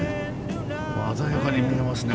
鮮やかに見えますね